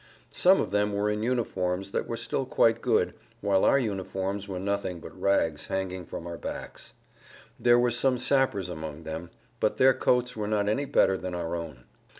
Some of them were in uniforms that were still quite good, whilst our uniforms were nothing but rags hanging from our backs. There were some sappers among them, but their coats were not any better than our own.